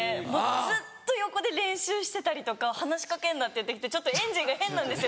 ずっと横で練習してたりとか話し掛けんなって言って来てエンジンが変なんですよ